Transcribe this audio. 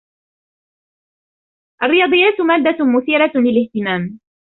الرياضيات مادة مثيرة للاهتمام.